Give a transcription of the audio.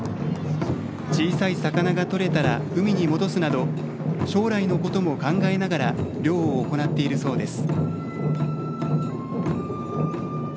小さい魚がとれたら海に戻すなど将来のことも考えながら漁を行っているそうです。